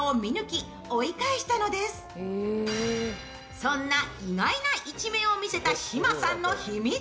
そんな意外な一面を見せた島さんの秘密。